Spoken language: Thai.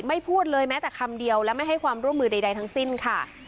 พูดเลยแม้แต่คำเดียวและไม่ให้ความร่วมมือใดทั้งสิ้นค่ะ